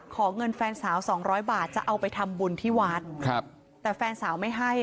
เงินแฟนสาวสองร้อยบาทจะเอาไปทำบุญที่วัดครับแต่แฟนสาวไม่ให้